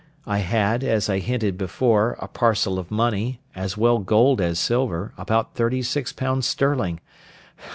I had, as I hinted before, a parcel of money, as well gold as silver, about thirty six pounds sterling.